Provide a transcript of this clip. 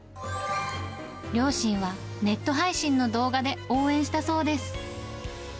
両親はネット配信の動画で応援したそうです。